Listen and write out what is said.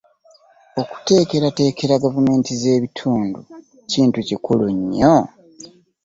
Okuteekerateekera gavumenti z’ebitundu kintu kikulu nnyo.